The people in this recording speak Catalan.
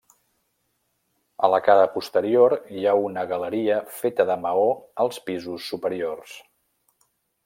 A la cara posterior hi ha una galeria feta de maó als pisos superiors.